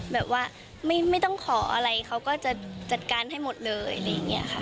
แบบว่าไม่ต้องขออะไรเขาก็จะจัดการให้หมดเลย